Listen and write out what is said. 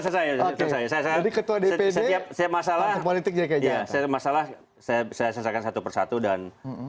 saya saya ketua dpd setiap masalah politik jajan saya masalah saya bisa sesakan satu persatu dan